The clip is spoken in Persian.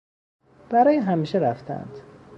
برای همیشه رفتهاند.